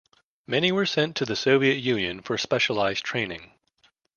Many were sent to the Soviet Union for specialised training.